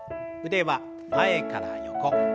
腕は前から横。